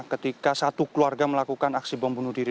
ketika satu keluarga melakukan aksi bom bunuh diri